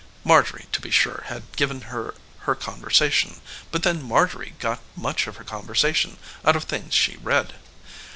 Marjorie, to be sure, had given her her conversation, but then Marjorie got much of her conversation out of things she read.